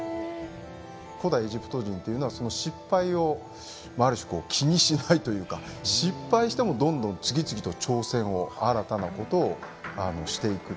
古代エジプト人というのは失敗をある種気にしないというか失敗してもどんどん次々と挑戦を新たなことをしていくという。